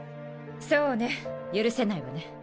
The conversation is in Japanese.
そうね許せないわね。